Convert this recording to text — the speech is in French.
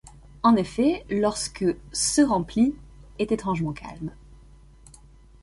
En effet, lorsque ' se remplit, ' est étrangement calme.